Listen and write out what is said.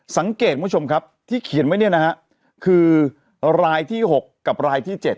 สังเกตคุณผู้ชมครับที่เขียนไว้นะฮะคือลายที่๖กับลายที่๗